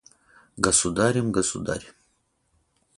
Государем, Государь.